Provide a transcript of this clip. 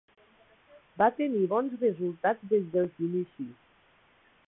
Va tenir bons resultats des dels inicis.